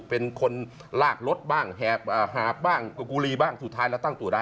เป็นคนลากรถบ้างหาบสู่ท้ายแล้วตั้งตัวได้